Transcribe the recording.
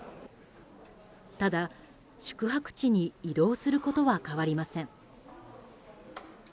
ただ、宿泊地に移動することは変わりません。